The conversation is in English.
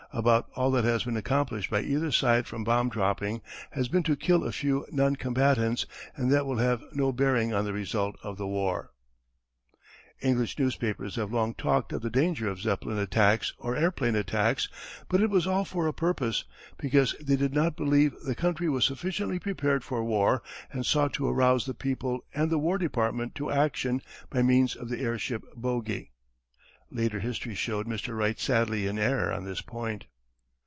"About all that has been accomplished by either side from bomb dropping has been to kill a few non combatants and that will have no bearing on the result of the war. [Illustration: At a French Airplane Base. © International Pilot Service.] "English newspapers have long talked of the danger of Zeppelin attacks or airplane attacks, but it was all for a purpose, because they did not believe the country was sufficiently prepared for war and sought to arouse the people and the War Department to action by means of the airship bogy. [Later history showed Mr. Wright sadly in error on this point.